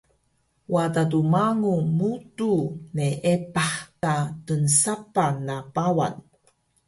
Wada lmamu mudu neepah ka tnsapah na Pawan